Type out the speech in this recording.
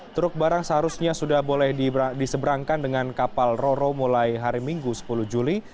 truk barang seharusnya sudah boleh diseberangkan dengan kapal roro mulai hari minggu sepuluh juli